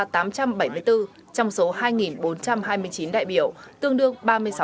trong số hai bốn trăm hai mươi chín đại biểu tương đương ba mươi sáu